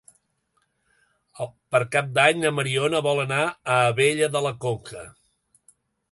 Per Cap d'Any na Mariona vol anar a Abella de la Conca.